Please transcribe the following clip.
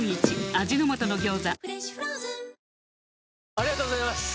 ありがとうございます！